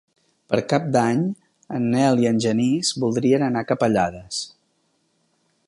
Per Cap d'Any en Nel i en Genís voldrien anar a Capellades.